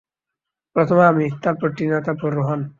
প্রথমে আমি, তারপর টিনা, তারপরে রোহান।